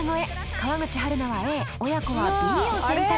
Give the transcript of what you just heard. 川口春奈はＡ親子はＢを選択！